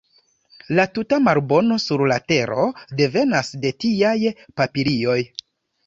La tuta malbono sur la tero devenas de tiaj papilioj!